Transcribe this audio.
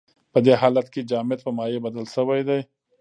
په دې حالت کې جامد په مایع بدل شوی دی.